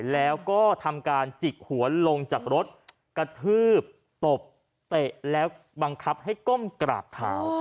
แล้วก็ทำการจิกหัวลงจากรถกระทืบตบเตะแล้วบังคับให้ก้มกราบเท้า